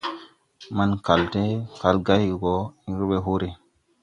Man Kande kal gayge go, ɛgre be hore.